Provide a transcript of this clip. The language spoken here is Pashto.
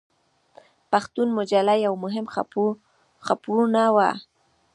پښتون مجله یوه مهمه خپرونه وه.